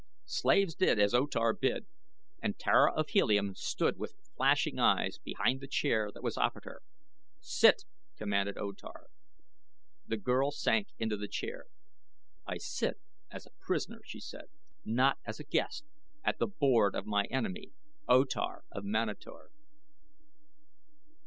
Slaves did as O Tar bid and Tara of Helium stood with flashing eyes behind the chair that was offered her. "Sit!" commanded O Tar. The girl sank into the chair. "I sit as a prisoner," she said; "not as a guest at the board of my enemy, O Tar of Manator."